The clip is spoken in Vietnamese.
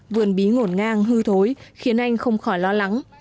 vườn bí ngổn ngang hư thối khiến anh không khỏi lo lắng